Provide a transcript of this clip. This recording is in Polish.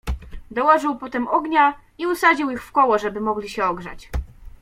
"Dołożył potem ognia i usadził ich wkoło, żeby mogli się ogrzać."